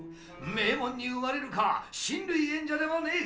名門に生まれるか親類縁者でもねえ